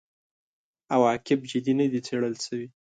عواقب جدي نه دي څېړل شوي.